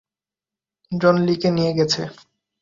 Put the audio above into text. জন লিকে নিয়ে গেছে!